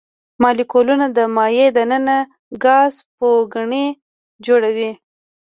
مالیکولونه د مایع د ننه ګاز پوکڼۍ جوړوي.